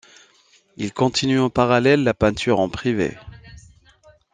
Il continue en parallèle la peinture en privé.